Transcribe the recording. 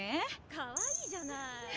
かわいいじゃない。